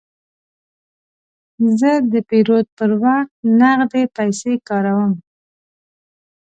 زه د پیرود پر وخت نغدې پیسې کاروم.